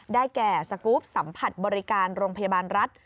แก่สกรูปสัมผัสบริการโรงพยาบาลรัฐ